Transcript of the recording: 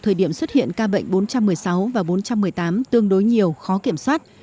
thời điểm xuất hiện ca bệnh bốn trăm một mươi sáu và bốn trăm một mươi tám tương đối nhiều khó kiểm soát